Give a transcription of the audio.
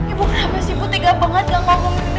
ibu kenapa sih ibu tega banget gak ngomongin ini